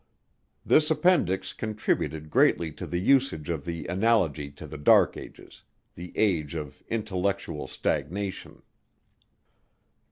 This appendix contributed greatly to the usage of the analogy to the Dark Ages, the age of "intellectual stagnation."